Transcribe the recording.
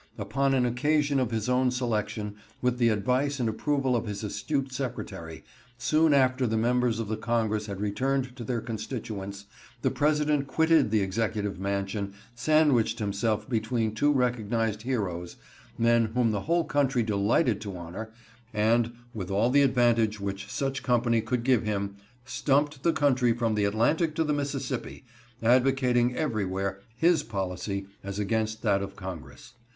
Upon an occasion of his own selection, with the advice and approval of his astute Secretary, soon after the members of the Congress had returned to their constituents, the President quitted the executive mansion, sandwiched himself between two recognized heroes,—men whom the whole country delighted to honor,—and, with all the advantage which such company could give him, stumped the country from the Atlantic to the Mississippi, advocating everywhere his policy as against that of Congress.